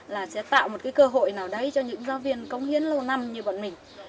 là sẽ tạo một cái cơ hội nào đấy cho những giáo viên công hiến lâu năm như bọn mình